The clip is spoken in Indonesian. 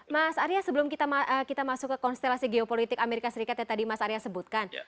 mas arya sebelum kita masuk ke konstelasi geopolitik amerika serikat yang tadi mas arya sebutkan